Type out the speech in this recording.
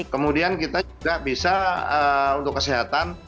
kemudian kita juga bisa untuk kesehatan